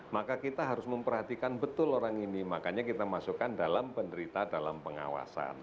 maka kita harus memperhatikan betul orang ini makanya kita masukkan dalam penderita dalam pengawasan